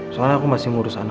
soalnya aku masih ngurus anak